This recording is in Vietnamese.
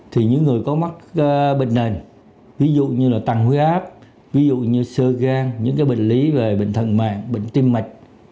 thì những người có mắc bệnh nền ví dụ như là tăng huyết áp ví dụ như sơ gan những cái bệnh lý về bệnh thần mạng bệnh tim mạch